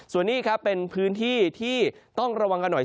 ส่วนนี้ครับเป็นพื้นที่ที่ต้องระวังกันหน่อย